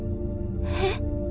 えっ？